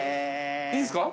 いいんすか？